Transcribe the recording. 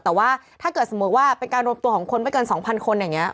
แต่ว่าถ้าเกิดเสมอว่าเป็นการกรอบตัวของคนไม่เกิน๒พันคนเง่อนี้